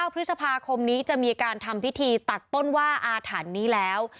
พฤษภาคมนี้จะมีการทำพิธีตัดต้นว่าอาถรรพ์นี้แล้ว